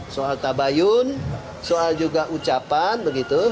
soal tabayun soal juga ucapan begitu